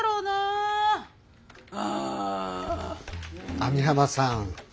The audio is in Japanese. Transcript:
網浜さん。